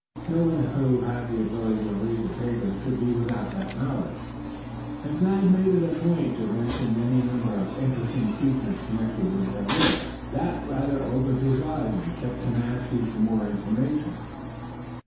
No one who had the ability to read the papers could be without that knowledge. And Thad made it a point to mention any number of interesting features connected with their work, that rather opened his eyes, and kept him asking for more information.